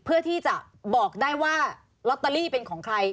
เพื่อที่จะบอกได้ว่าลอตเตอรี่เป็นของใคร